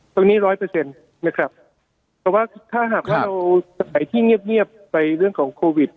ร้อยเปอร์เซ็นต์นะครับแต่ว่าถ้าหากว่าเราไปที่เงียบไปเรื่องของโควิด